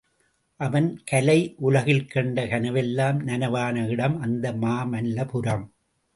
அவன் கலை உலகில் கண்ட கனவெல்லாம் நனவான இடம் அந்த மாமல்லபுரம்.